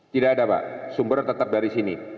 tidak ada pak sumbernya tetap dari sini